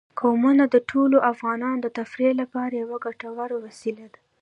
قومونه د ټولو افغانانو د تفریح لپاره یوه ګټوره وسیله ده.